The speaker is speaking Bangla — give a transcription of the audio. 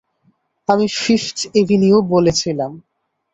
আমি ফিফথ এভিনিউ বলেছিলাম।